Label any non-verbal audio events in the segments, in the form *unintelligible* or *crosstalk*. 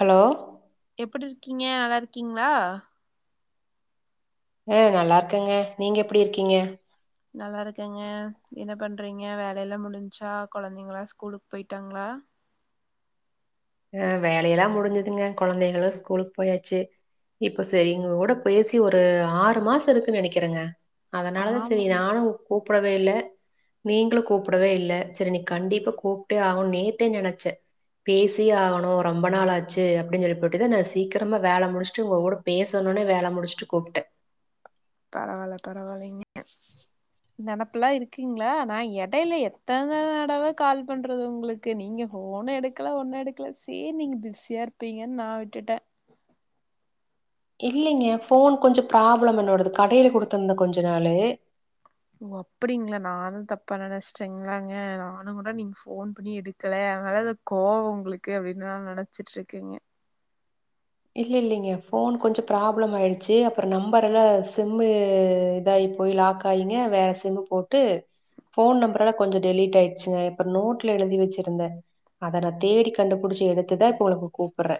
Hello எப்டி இருக்கீங்க நல்லா இருக்கீங்ளா அஹ் நல்லா இருக்கங்க நீங்க எப்டி இருக்கீங்க நல்லா இருக்கங்க என்ன பண்றீங்க வேலெல்லா முடிஞ்சா கொழந்தைங்களா ஸ்கூலுக்கு போயிட்டாங்ளா ஆஹ் வேலையெல்லா முடிஞ்சதுங்க கொழந்தைகளு ஸ்கூலுக்கு போயாச்சு இப்ப செரி உங்க கூட பேசி ஒரு ஆறு மாச இருக்குன்னு நெனைக்கிறேங்க அதனால ஆமா செரி நானு கூப்படவே இல்ல நீங்களு கூப்டவே இல்ல செரி இனி கண்டிப்பா கூப்ட்டே ஆகனு நேத்தே நெனைச்சே பேஸ் சியே ஆகணு ரொம்ப நாள் ஆச்சு அப்டின்னு சொல்லிபோட்டுதா நா சீக்கிரமாக வேல முடிச்சுட்டு உங்க கூடோ பேசணுனே வேல முடிச்சுட்டு கூப்ட்டே பரவால்ல பரவாலிங்க நெனப்புலா இருக்குங்ளா நா எடையில எத்தன தடவ கால் பண்றது உங்ளுக் க்கு நீங்க ஃபோன் எடுக்கல ஒண்ணு எடுக்கல செரி நீங்க பிஸியா இருப்பீங்கன் நா விட்டுட்டே இல்லிங்க ஃபோன் கொஞ்சோ ப்ராப்ளம் என்னோடது கடையில குடுத்திருந்த கொஞ்ச நாளு ஓ அப்டிங்களா நானு தப்பா நெனைச்சிட்டேங்களாங்க நாலு முறை நீங்க ஃபோன் பண்ணி எடுக் கல எம்மேல எதோ கோவம் உங்களுக்கு அப்டின்னு நா நெனைச்சிட்டுருக்கேங்க இல்ல இல்லிங்க ஃபோன் கொஞ்சோ ப்ராப்ளம் ஆயிடுச்சி அப்புற நம்பர் எல்லா சிம்மு இதாயி போய் லாக் காயிங்க வேற சிம்மு போட்டு ஃபோன் நம்பர் எல்லா கொஞ்சோ டெலீட் ஆயிடுச்சுங்க இப்போ நோட்ல எழுதி வெச்சிருந்தே அத நா தேடி கண்டுபிடிச்சு எடுத்துதா இப்ப உங்களுக்கு கூப்பற்றே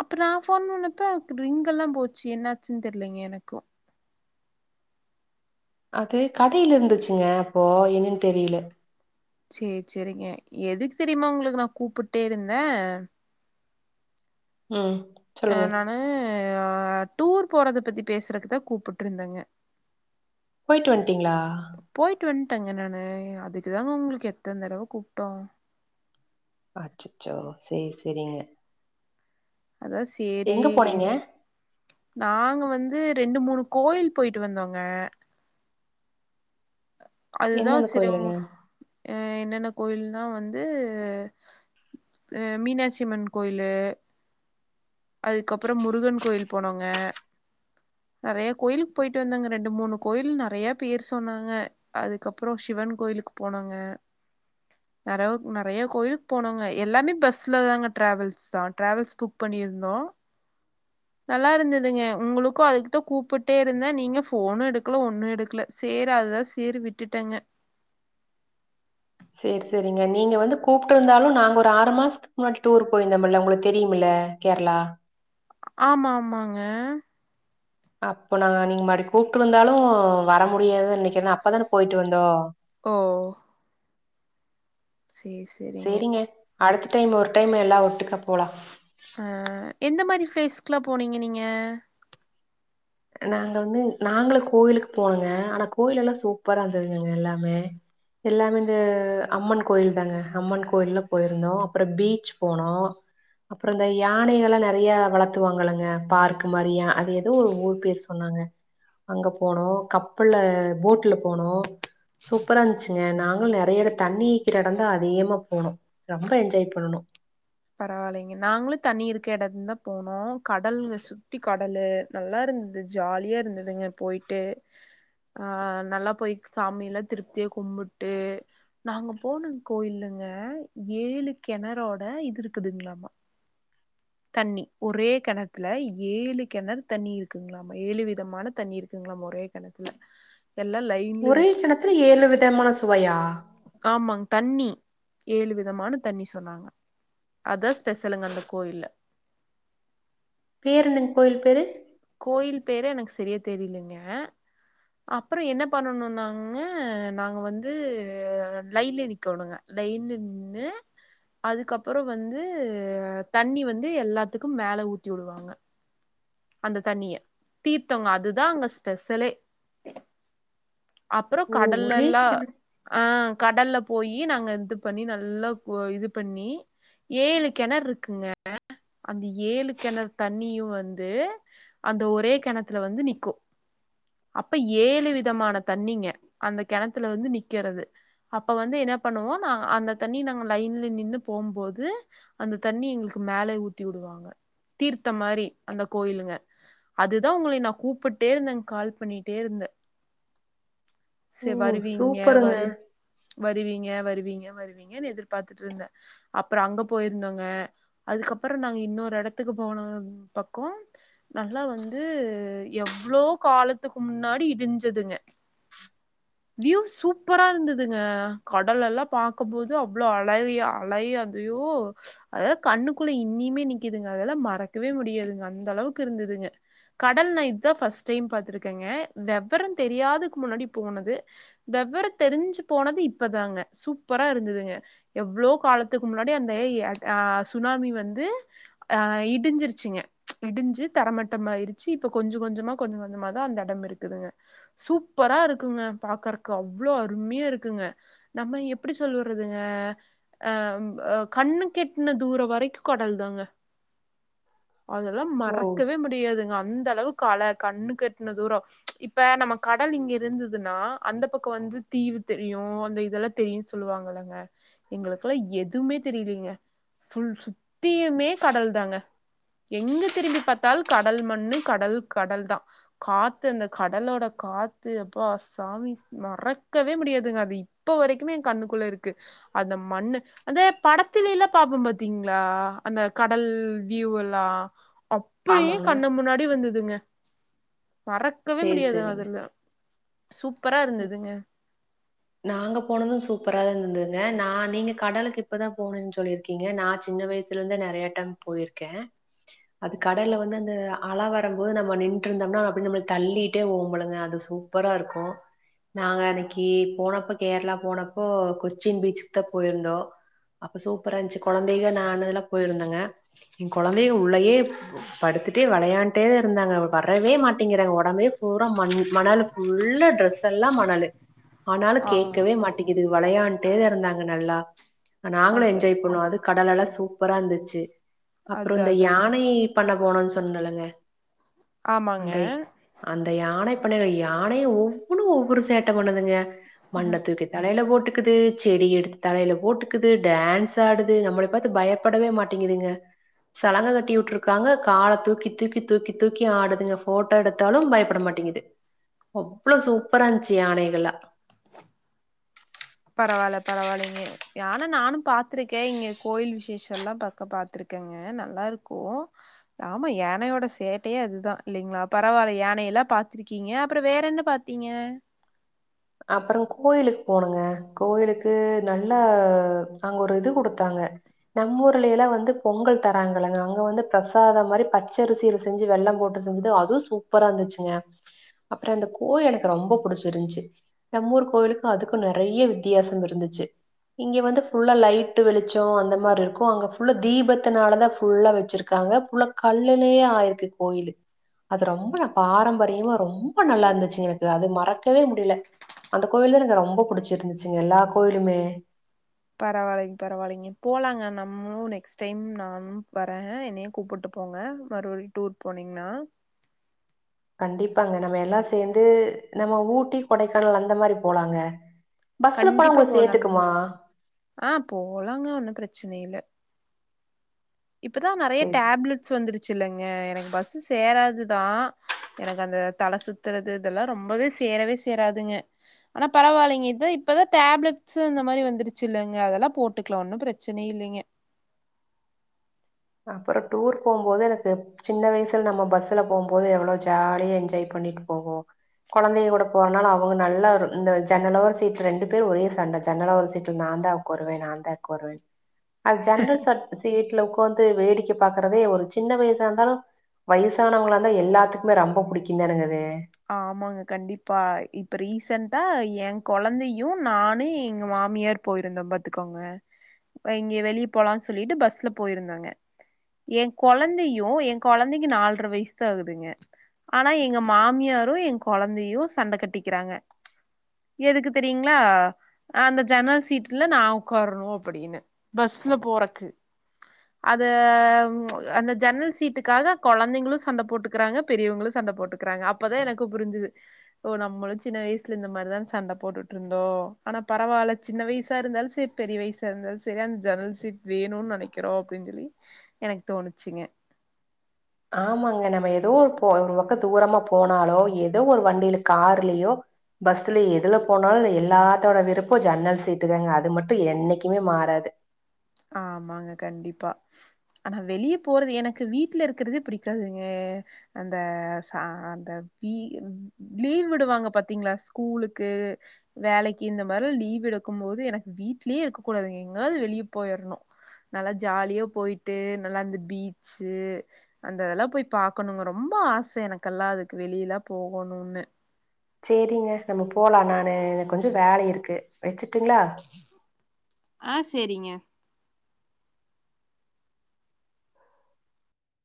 அப்ப நா ஃபோன் பன்னப்ப ரிங்கல்லா போச்சு என்னாச்சுன்னு தெர்லிங்க எனக்கோ அது கடைல இருந்துச்சுங்க அப்போ என்னன்னு தெரில சேரி செரிங்க எதுக்கு தெரிமா உங்களுக்கு நா கூப்புட்டே இருந்த ம் சொல்லுங்க. நானு ஆஹ் டூர் போறத பத்தி பேசுறதுக்குதான் கூப்புட்டு இருந்தேங்க போயிட்டு வந்ட்டீங்ளா போயிட்டு வந்ட்டங்க நானு அதுக்கு தாங்க உங்களுக்கு எத்தன தடவ கூப்ட்டோ அச்சச்சோ சேர் செரிங்க *unintelligible* எங்க போனீங்க நாங்க வந்து ரெண்டு மூணு கோயில் போயிட்டு வந்தோங்க அதுதா எந்தெந்த செரி கோயிலுங்க? உங்ளுக் என்னென்ன கோயில்னா வந்து ஹ மீனாட்சியம்மன் கோயிலு அதுக்கப்பறம் முருகன் கோயில் போனோங்க நெறைய கோயில்க்கு போயிட்டு வந்தாங்க ரெண்டு மூணு கோயில் நெறைய பேர் சொன்னாங்க அதுக்கப்புறோ சிவன் கோயிலுக்கு போனோங்க பெறவு நெறைய கோயிலுக்கு போனோங்க எல்லாமே பஸ்ல தாங்க டிராவல்ஸ் தா டிராவல்ஸ் புக் பண்ணியிரு ந்தோ நல்லா இருந்ததுங்க உங்களுக்கு அதுக்தா கூப்புட்டே இருந்தே நீங்க போனு எடுக்கல ஒன்னு எடுக்கல சேர் அதுதா சேர் விட்டுட்டேங்க சேர் செரிங்க நீங்க வந்து கூப்பிட்டுருந்தாலும் நாங்க ஒரு ஆறு மாஸ் க்கு முன்னாடி டூர் போயிருந்தம்ல்ல உங்களுக்கு தெரியும்ல கேரளா ஆமா ஆமாங்க அப்போ நாங்க நீங்க மறுடி கூப்பிட்டருந்தாலும் வர முடியாது நெனைக்கிறே ஏன்னா அப்பதானே போய்ட்டு வந்தோ ஓ சேரி சேரி சேரிங்க அடுத்த டைம் ஒரு டைம் எல்லா ஒட்டுக்கா போலாம் ஆ எந்த மாரி ப்பேஸ்க்குலா போனீங்க நீங்க நாங்க வந்து நாங்களு கோயிலுக்கு போனோங்க ஆனா கோயிலலா சூப்பரா இருந்ததுங்க அங்க எல்லாமே எல்லாமே இந்த அம்மன் கோயில் தாங்க அம்மன் கோயில்லா போயிருந்தோம் அப்புறம் பீச் போனோ அப்புறந்த யானைகளா நெறைய வளத்துவாங்கலங்க பார்க்க் மாரிய அது எதோ ஒரு ஊ சொன்னாங்க அங்க போனோ கப்பல்ல போட்ல போனோ சூப்பரா இருந்துச்சு நாங்களு நெறைய இட தண்ணி நிக்கிற எடந்தா அதிகமா போனோ ரொம்ப என்ஜாய் பண்ணுனோ பரவாயில்லைங்க நாங்களும் தண்ணி இருக்க எடந்தா போனோம் கடலு சுத்தி கடலு நல்லா இருந்தது ஜாலியா இருந்ததுங்க போயிட்டு அ நல்லா போயி சாமியல்லா திருப்தியா கும்புட்டு நாங்க போனம் கோயிலுங்க ஏழு கெணரோட இது இருக்குதுங்களாமா தண்ணி ஒரே கெணத்துல ஏழு கெணறு தண்ணி இருக்குங்களாமா ஏழு விதமான தண்ணி இருக்குங்களாமா ஒரே கெணத்துல எல்லா லைட் ஒரே கெணத்துல ஏழு விதமான சுவையா ஆமாங் தண்ணி ஏழு விதமான தண்ணி சொன்னாங்க அதா ஸ்பெஷலுங்க அந்த கோயில்ல பேரென்னக் கோயில் பேரு கோயில் பேரு எனக்கு சரியா தெரியலங்க அப்றொ என்ன பண்ணணும்னாங்க நாங்க வந்து லைன்லே நிக்கோணுங்க லைன்ல நின்னு அதுக்கப்புற வந்து தண்ணி வந்து எல்லாத்துக்கு மேல ஊத்தி விடுவாங்க அந்த தண்ணிய தீர்த்தொங்க அதுதா அங்க ஸ்பெஷலே அப்புற ஓ! ஒரே கடல்லல்லா கிண ஆ கடல்ல போயி நாங்க இது பண்ணி நல்லா இது பண்ணி ஏழு கெணறு இருக்குங்க அந்த ஏழு கெணறு தண்ணியு வந் அந்த ஒரே கெணத்துல வந்து நிக்கு அப்ப ஏழு விதமான தண்ணிங்க அந்த கெணத்துல வந்து நிக்கறது அப்ப வந்து என்ன பண்ணுவோ நா அந்த தண்ணி நாங்க லைன்ல நின்னு போம்போது அந்த தண்ணி எங்களுக்கு மேல ஊத்தி வுடுவாங்க தீர்த்தம் மாரி அந்த கோயிலுங்க அதுதா உங்களெய நா கூப்புட்டே இருந்தே கால் பண்ணிட்டே இருந்தே ஓ! செ வருவீங்க சூப்பருங்க. வரு வருவீங்க வருவீங்க வருவீங்கன்னு எதிர்பாத்துட்டு இருந்தே அப்றொ அங்க போயிருந்தோங்க அதுக்கப்புற நாங்க இன்னோரு எடத்துக்கு போனு கோ நல்லா வந்து எவ்ளோ காலத்துக்கு முன்னாடி இடுஞ்சுதுங்க வியூ சூப்பரா இருந்ததுங்க கடல்லல்லா பாக்கபோது அவ்ளோ அழறியா அலையா அய்யோ அத கண்ணுக்குள்ள இன்னிமே நிக்குதுங்க அதெல்லா மறக்கவே முடியாதுங்க அந்தளவுக்கு இருந்ததுங்க கடல் நா இதுதா ஃபர்ஸ்ட் டைம் பாத்துருக்கேங்க வெவரொ தெரியாதக்கு முன்னாடி போனது வெவ்வர தெருஞ்சு போனது இப்பதாங்க சூப்பரா இருந்ததுங்க எவ்ளோ காலத்துக்கு முன்னாடி அந்த எஐ அ ஆ சுனாமி வந்து ஆ இடுஞ்சுருச்சுங்க இடுஞ்சு தரமட்டமாயிடுச்சு இப்ப கொஞ்சொ கொஞ்சொமா கொஞ்சொ கொஞ்சொமா தா அந்த எடம் இருக்குதுங்க சூப் பரா இருக்குங்க பாக்கறக்கு அவ்ளோ அருமையா இருக்குங்க நம்ம எப்டி சொல்லறதுங்க அ ம் ஆ கண்ணுக்கெட்ன தூரோ வரைக்கு கடல் தாங்க அதெல்லா ஓ! மறக்கவே முடியாதுங்க அந்த அளவுக்கு அல கண்ணுக்கெட்ன தூரோ இப்ப நம்ம கடல் இங்க இருந்ததுன்னா அந்த பக்கோ வந்து தீவு தெரியு அந்த இதெல்லா தெரியு சொல்லுவாங்கல்லங்க எங்களுக்கெல்லா எதுமே தெரிலிங்க ஃபுல் சுத்தியுமே கடல் தாங்க எங்க திரும்பி பாத்தாலு கடல் மண்ணு கடல் கடல் தா காத்து அந்த கடலோட காத்து அப்பா சாமி மறக்கவே முடியாதுங்க அது இப்ப வரைக்குமே ஏ கண்ணுக்குள்ள இருக்கு அந்த மண்ணு அந்தே படத்திலெல்லா பாப்போ பாத்தீங்களா அந்த கடல் வியூ எல் லா அப்புடியே ஆமாங்க. கண்ணு முன்னாடி வந்ததுங்க மறக்கவே சரி, முடியாது சரிங்க. அதெல்லா சூப்பரா இருந்ததுங்க நாங்க போனது சூப்பரா இருந்தங்க. நா நீங்க கடலுக்கு இப்பதா போணேன்னு சொல்லி இரு க்கீங்க. நா சின்ன வயசுல இருந்து நெறைய டைம் போயிர்க்கே அது கடல்லு வந்து அந்த அல வரம்போது நம்ம நின்ட்டு இருந்தம்னா அதப்டியே நம்மள தள்ளிட்டே ஓம்பழுங்க அது சூ ப்பரா இருக்கு. நாங்க அன்னிக்கி போனப்ப கேரளா போனப்போ கொச்சின் பீச்சுக்கு தா போய் இருந்தோ அப்ப சூப்பரா இருந்ச்சு கொழந்தைக நானுல்லா போய்ருந்தோங்க. ஏ கொழந்தைங்க உள்ளயே படுத்துட்டே வெளயாண்டே இருந்தாங்க. வரவே மாட்டேங்குறாங்க ஒடம்பே பூரா மண் மணலு ஃபுல்லா ட்ரெஸ் எல்லா மணலு ஆனாலு ஆ கேக்கவே மாட்டேக்கிது. வளயான்டே இருந்தாங்க நல்லா. நாங்களு அது என்ஜாய் பண்ணோ அது கடல் அல சூப்பரா இருந்துச்சு. அப்புறோ அது இந்த அதாங்க யானையி பண்ண போனோன்னு சொன்னேலங்க ஆமாங்க அந்த யானை பண்ணைல யானையே ஒவ்வொன்னு ஒவ்வொரு சேட்ட பண்ணுதுங்க. மண்ண தூக்கி தலைல போட்டுக்குது. செடி எடுத்து தலைல போட்டுக்குது. டான்ஸ் ஆடுது. நம்மள பாத்து பயப் படவே மாட்டேங்குதுங்க சலங்க கட்டி உட்ருக்காங்க கால தூக்கி தூக்கி தூக்கி தூக்கி ஆடுதுங்க ஃபோட் டோ எடுத்தாலு பயப்பட மாட்டிங்குது. அவ்ளோ சூப்பரா இந்ச்சு யானைகல்லா பரவால்ல பரவா இல்லைங்க யான நானு பாத்துருக்கே. இங்கே கோயில் விசேஷொ எல்லா பக்க பாத்துருக்கேங்க அ நல்லா இருக்கு ஆமா யானயோட சேட்டையே அதுதா. இல்லேங்களா பரவால்ல யானையெல்லா பாத்துருக்கீங்க அப்புறோ வேற என்ன பாத் டீங்க அப்புறோ கோயிலுக்கு போனோங்க கோயிலுக்கு நல்லா அங்க ஒரு இது குடுத்தாங்க நம்ம ஊர்ல எல்லா வந்து பொங்கல் தராங்கலங்க அங்க வந்து பிரசாத மாரி பச்சரிசி செஞ்சு வெள்ள போட்டு செஞ்சது அதுவு சூப்பரா இருந்துச்சுங்க அப்புறோ அந்த கோயில் எனக்கு ரொம்ப புடிச்சி இருன்ச்சு நம்மூர் கோயிலுக்கு அதுக்கு நெறையா வித்தியாசம் இருந்துச்சு இங்கே வந்து ஃபுல்லா லைட்டு வெளிச்சோ அந்த மாரி இருக்கு அங்க ஃபுல்லா தீபத்தினால தா ஃபுல்லா வெச்சிரு க்காங்க புல்லா கல்லுலயே ஆயிருக்கு கோயிலு அது ரொம்ப ந பாரம்பரியமா ரொம்ப நல்லா இருந்துச்சு எனக்கு அது மறக்கவே முடில அந்த கோயில் த எனக்கு ரொம்ப புடிச்சிருந்துச்சுங்க எல்லா கோயிலுமே பரவாலைங் பரவாலைங்க போலாங்க நம்மளு நெக்ஸ்ட் டைம் நானும் வரேன் என்னய கூப்புட்டு போங்க மறுபடி டூர் போனீங்னா கண்டிப்பாங்க நம்ம எல்லா சேந்து நம்ம ஊட்டி கொடைக்கானல் அந்த மாரி போலாங்க பஸ்ல போனா கண்டிப்பா ஒங்களுக்கு போலாங்க சேந்துக்குமா ஆ போலாங்க ஒன்னு பிரச்சன இல்ல இப்பதா நெறய சரி, சரி. டேப்லெட்ஸ் வந்துருச்சுல்லங்க எனக்கு பஸ்சு சேராதுதா எனக்கு அந்த தல சுத்துறது இதெல்லா ரொம்பவே சேரவே சேராதுங்க ஆனா பரவாலைங்க இதா இப்பதா டேப்லெட்சு அந்த மாரி வந்துரு சுல்லங்க அதெல்லா போட்டுக்கலா ஒன்னு பிரச்சன இல்லேங்க அப்புற டூர் போம்போது எனக்கு சின்ன வயசுல நம்ம பஸ்ல போம்போது எவ்வளவு ஜாலியா என்ஜாய் பண்ணிட்டு போவோ கொழந்தைகயோட போறனால அவுங்க நல்லா ஒரு இந்த ஜன்னலோர சீட் ரெண்டு பேரு ஒரே சண்ட ஜன்னல் ஓர சீட்ல நா தா கோருவே நாந்தா கோருவே அது ஜன்னல் சட் சீட்ல ஒடக்காந்து வேடிக்க பாக்குறதே ஒரு சின்ன வயசா இருந்தாலு வயிசானவங்களா தா எல்லாத்துக்குமே ரொம்ப பிடிக்கு தானேங்க அது ஆமாங்க கண்டிப்பா இப்ப ரீசன்ட்டா ஏ கொழந்தையு நானு எங்க மாமியார் போயிருந்தோ பாத்துக்கோங்க இங்க வெளிய போலான் சொல்லிட்டு பஸ்ல போயிருந்தோங்க ஏ கொழந்தையு எ கொழந்தைக்கு நால்ர வயசு தா ஆகுதுங்க ஆனா எங்க மா மியாரு எ கொழந்தையு சண்ட கட்டிக்கிறாங்க எதுக்கு தெரியுங்களா அந்த ஜன்னல் சீட்ல நா ஒக்காரணு அப்டின்னு பஸ்ல போறக்கு அது அந்த ஜன்னல் சீட்டுக்காக கொழந்தைங்களு சண்ட போட்டுக்கிறாங்க பெரியவங்களு சண்ட போட்டுக்கிறாங்க அப் அப்பதா எனக்கு புரிஞ்சுது ஓ நம்மளு சின்ன வயசுல இந்த மாரிதான சண்ட போட்டுட்டு இருந்தோ ஆனா பரவால்ல சின்ன வயசா இருந்தாலு சேர் பெரிய வயசா இருந்தாலு சேரி அந்த ஜன்னல் சீட் வேணும்னு நெனக்கிறோ அப்டின்னு சொல்லி எனக்கு தோணுச்சுங்க ஆமாங்க நம்ம ஏதோ ஒரு போ ஒரு பக்கோ தூரமா போனாலோ ஏதோ ஒரு வண்டில கார்லயோ பஸ்ல எதுல போனாலு எல்லாத்தோட விருப்ப ஜன்னல் சீட்டு தாங்க அது மட்டு என்னைக்குமே மாறாது ஆமாங்க கண்டிப்பா ஆனா வெளிய போறது எனக்கு வீட்ல இருக்கறதே பிடிக்காதுங்க அந்த ச அந்த பீ லீவ் விடுவாங்க பாத்தீங்ளா ஸ்கூலுக்கு வேலக்கி இந்த மாரிலா லீவு இருக்கு போது எனக்கு வீட்லயே இருக்கக் கூடாதுங்க எங்காவது வெளியே போயிரணு நல்லா ஜாலியா போயிட்டு நல்லா அந்த பீச்சு அந்த எல்லா போய் பாக்கணுங்க ரொம்ப ஆச எனக்கெல்லா அதுக்கு வெளில போகணும்னு சேரிங்க நம்ம போலா நானு கொஞ்சோ வேல இருக்கு வச்சுட்டுங்ளா ஆ சேரிங்க